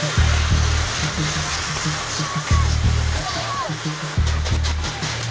kerajaan larang tuka